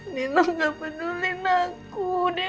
nino gak peduli sama aku